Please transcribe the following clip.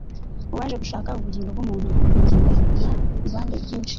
Uwaje gushaka ubugingo bw’umuntu yingingana ibambe ryinshi